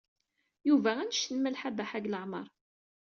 Yuba anect n Malḥa Baḥa deg leɛmeṛ.